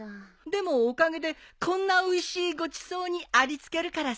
でもおかげでこんなおいしいごちそうにありつけるからさ。